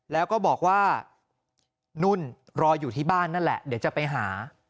แล้วก็บอกว่านุ่นรออยู่ที่บ้านนั่นแหละเดี๋ยวจะไปหา